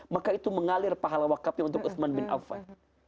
maka itu mengalir pahala wakafnya untuk uthman bin affan